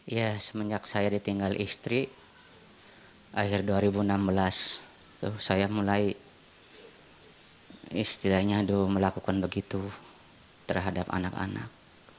ya semenjak saya ditinggal istri akhir dua ribu enam belas saya mulai istilahnya melakukan begitu terhadap anak anak